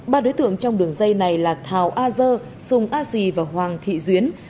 ba đối tượng trong đường dây này là thảo a dơ sùng a di và hoàng thị duyến